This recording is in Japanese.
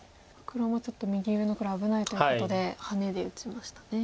黒もちょっと右上の黒危ないということでハネで打ちましたね。